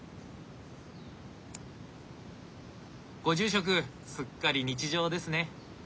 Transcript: ご住職すっかり日常ですね。